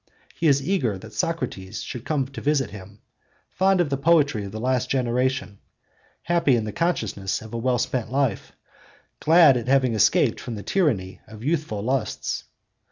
He is eager that Socrates should come to visit him, fond of the poetry of the last generation, happy in the consciousness of a well spent life, glad at having escaped from the tyranny of youthful lusts.